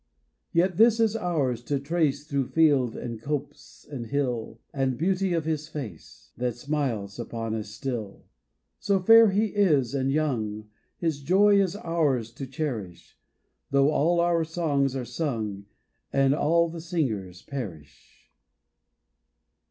Yet this is ours, to trace Through field and copse and hill, The beauty of his face That smiles upon us still ; So fair he is and young His joy is ours to cherish, Though all our songs are sung And all the singers perish.